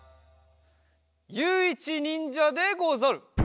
ゆういちにんじゃでござる。